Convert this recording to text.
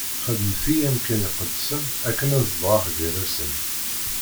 Xedmet-iyi amkan iqedsen akken ad zedɣeɣ gar-asen.